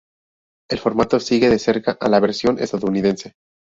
El formato sigue de cerca a la versión estadounidense.